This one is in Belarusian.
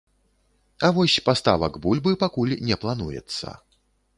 А вось паставак бульбы пакуль не плануецца.